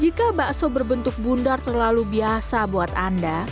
jika bakso berbentuk bundar terlalu biasa buat anda